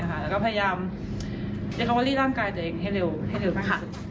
แล้วก็อิกอวอลี่ร่างกายตัวเองให้เร็วให้เร็วขึ้น